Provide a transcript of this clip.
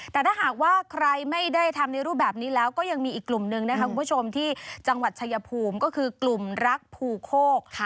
แต่ถ้าหากว่าใครไม่ได้ทำในรูปแบบนี้แล้วก็ยังมีอีกกลุ่มนึงนะคะคุณผู้ชมที่จังหวัดชายภูมิก็คือกลุ่มรักภูโคก